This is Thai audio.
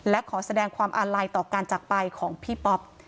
และขอแสดงความอาลัยต่อการจักรไปของพี่ป๊อป